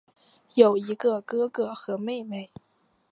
有一个哥哥和妹妹。